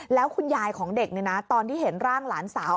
แล้วคุณยายของเด็กตอนที่เห็นร่างหลานสาว